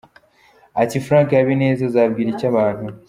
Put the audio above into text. Ati Frank Habineza azabwira iki abantu ?